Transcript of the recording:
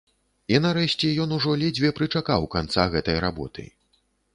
І нарэшце ён ужо ледзьве прычакаў канца гэтай работы.